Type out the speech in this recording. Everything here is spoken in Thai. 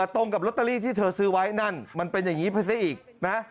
ตรงกับลอตเตอรี่ที่เธอซื้อไว้นั่นมันเป็นอย่างนี้ไปซะอีกนะ